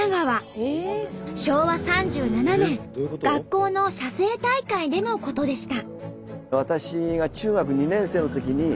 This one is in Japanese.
昭和３７年学校の写生大会でのことでした。